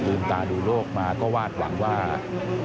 พบหน้าลูกแบบเป็นร่างไร้วิญญาณ